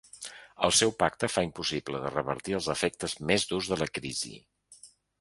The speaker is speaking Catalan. El seu pacte fa impossible de revertir els efectes més durs de la crisi.